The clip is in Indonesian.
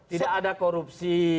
tidak ada korupsi